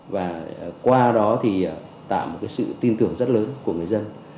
và qua đó tạo một sự tin tưởng rất lớn của người dân